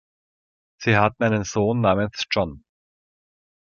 Sie hatten einen Sohn namens John.